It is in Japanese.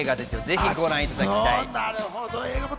ぜひご覧いただきたい。